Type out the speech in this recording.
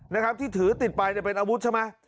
นะครับที่ถือติดไปเนี่ยเป็นอาวุธใช่ไหม